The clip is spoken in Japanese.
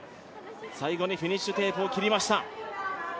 最後にフィニッシュテープを切りました。